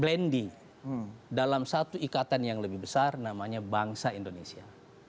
blendy dalam satu ikatan yang lebih besar namanya bangsa indonesia